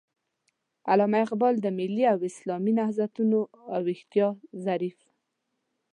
علامه اقبال د ملي او اسلامي نهضتونو او ويښتياو ظريف